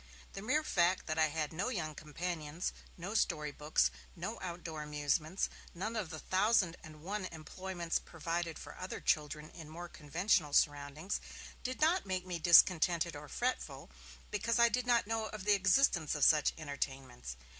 The mere fact that I had no young companions, no storybooks, no outdoor amusements, none of the thousand and one employments provided for other children in more conventional surroundings, did not make me discontented or fretful, because I did not know of the existence of such entertainments.